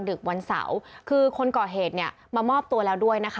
ดึกวันเสาคุณก่อเหตุนี้ม่อบตัวแล้วด้วยนะคะ